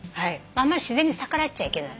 あんまり自然に逆らっちゃいけない。